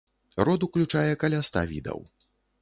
Род уключае каля ста відаў.